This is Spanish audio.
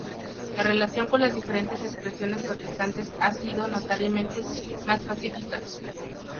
La relación con las diferentes expresiones protestantes ha sido, notoriamente, más pacíficas.